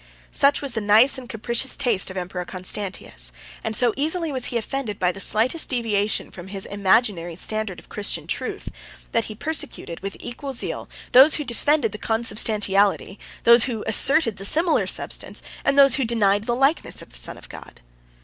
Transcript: Such was the nice and capricious taste of the emperor Constantius; and so easily was he offended by the slightest deviation from his imaginary standard of Christian truth, that he persecuted, with equal zeal, those who defended the consubstantiality, those who asserted the similar substance, and those who denied the likeness of the Son of God.